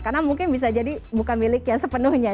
karena mungkin bisa jadi bukan milik yang sepenuhnya